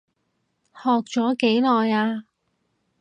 學咗幾耐啊？